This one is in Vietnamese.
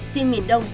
riêng miền đông